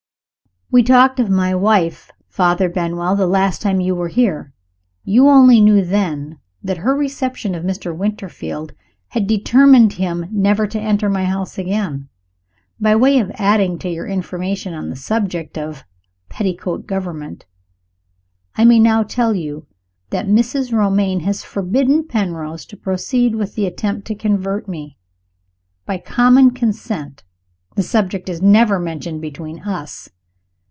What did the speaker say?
"We talked of my wife, Father Benwell, the last time you were here. You only knew, then, that her reception of Mr. Winterfield had determined him never to enter my house again. By way of adding to your information on the subject of 'petticoat government,' I may now tell you that Mrs. Romayne has forbidden Penrose to proceed with the attempt to convert me. By common consent, the subject is never mentioned between us."